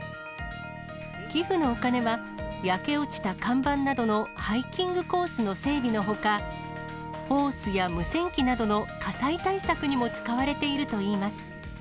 寄付のお金は焼け落ちた看板などのハイキングコースの整備のほか、ホースや無線機などの火災対策にも使われているといいます。